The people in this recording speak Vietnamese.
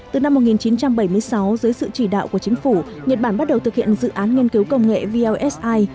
từ năm một nghìn chín trăm bảy mươi sáu dưới sự chỉ đạo của chính phủ nhật bản bắt đầu thực hiện dự án nghiên cứu công nghệ vlsi